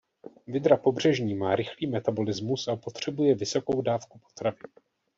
Vydra pobřežní má rychlý metabolismus a potřebuje vysokou dávku potravy.